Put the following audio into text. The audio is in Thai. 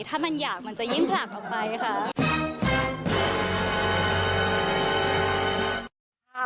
ถ้ามันอยากมันจะยิ่งผลักออกไปค่ะ